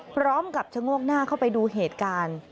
พร้อมกับชะโงกหน้าเข้าไปดูเหตุการณ์